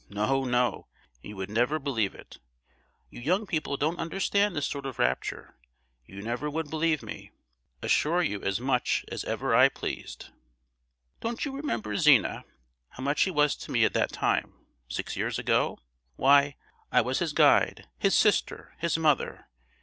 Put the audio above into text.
No, no! You would never believe it. You young people don't understand this sort of rapture; you never would believe me, assure you as much as ever I pleased. "Don't you remember, Zina, how much he was to me at that time—six years ago? Why, I was his guide, his sister, his mother!